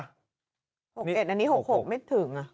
๖๑อันนี้๖๖ไม่ถึง